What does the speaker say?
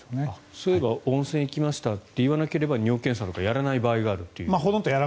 そういえば温泉行きましたって言わなければ尿検査とかやらない場合がある。